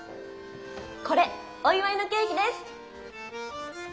これお祝いのケーキです！